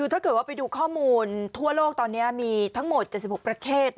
ถ้าเกิดว่าไปดูข้อมูลทั่วโลกตอนนี้มีทั้งหมด๗๖ประเทศ